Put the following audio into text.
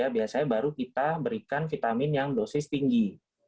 biasanya baru kita berikan vitamin yang dosis tinggi